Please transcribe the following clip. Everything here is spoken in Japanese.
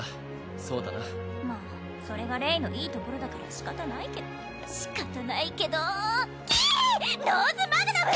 そうだなまあそれがレイのいいところだから仕方ないけど仕方ないけどキィローズマグナム！